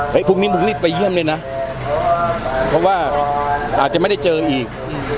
พรุ่งนี้มึงรีบไปเยี่ยมด้วยนะเพราะว่าอาจจะไม่ได้เจออีก